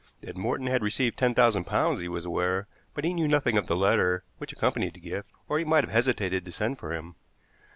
That Morton had received ten thousand pounds he was aware, but he knew nothing of the letter which accompanied the gift, or he might have hesitated to send for him.